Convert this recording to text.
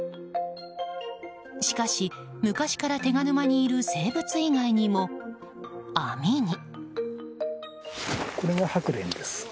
しかし、昔から手賀沼にいる生物以外にも、網に。